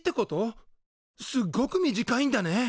すっごく短いんだね。